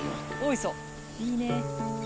いいね。